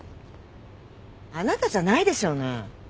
あなたじゃないでしょうね？